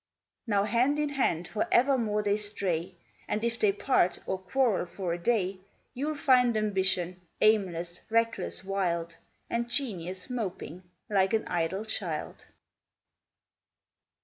Now hand in hand for evermore they stray, And if they part, or quarrel for a day, You'll find Ambition, aimless, reckless, wild, And Genius moping, like an idle child.